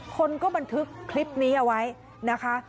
คนก็บันทึกคลิปนี้เอาไว้นะคะ